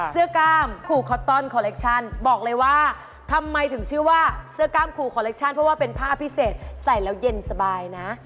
เสื้อกล้ามครูคอตตอนคอเล็กชั่นบอกเลยว่าทำไมถึงชื่อว่าเสื้อกล้ามครูคอเล็กชั่นเพราะว่าเป็นผ้าพิเศษใส่แล้วเย็นสบายนะ